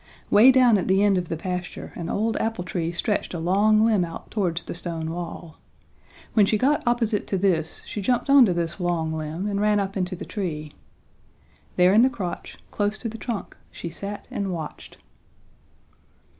Way down at the end of the pasture an old apple tree stretched a long limb out towards the stone wall. When she got opposite to this she jumped onto this long limb and ran up into the tree. There in the crotch, close to the trunk, she sat and watched.